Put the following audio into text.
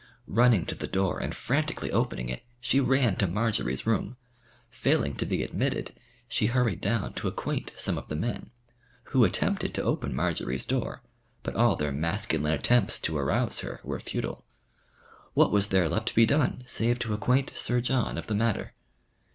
Running to the door and frantically opening it, she ran to Marjory's room. Failing to be admitted, she hurried down to acquaint some of the men, who attempted to open Marjory's door, but all their masculine efforts to arouse her were futile. What was there left to be done, save to acquaint Sir John of the matter.